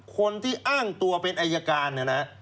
คนที่อ้างตัวเป็นอายการเนี่ยนะ